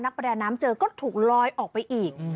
ประดาน้ำเจอก็ถูกลอยออกไปอีก